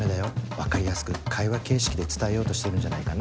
分かりやすく会話形式で伝えようとしてるんじゃないかな。